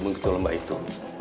mengikut lembah itu